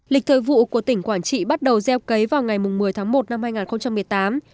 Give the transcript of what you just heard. lịch thời vụ của tỉnh quảng trị bắt đầu gieo cấy vào ngày một mươi tháng một năm hai nghìn một mươi tám